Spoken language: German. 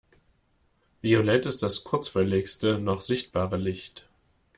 Violett ist das kurzwelligste noch sichtbare Licht.